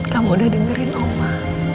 kamu udah dengerin oma